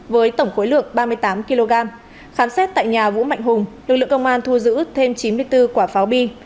với tổng khối lượng ba mươi tám kg khám xét tại nhà vũ mạnh hùng lực lượng công an thu giữ thêm chín mươi bốn quả pháo bi